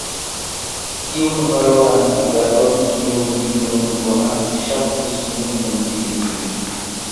Tiun valoran agadon kiun mi nun konas ŝatus mi kundividi.